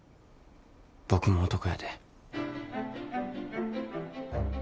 僕も男やで。